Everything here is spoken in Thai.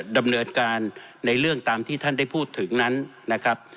ดำเนินการในเรื่องตามที่ท่านได้พูดถึงนั้นนะครับ